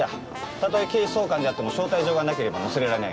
例え警視総監であっても招待状がなければ乗せられない。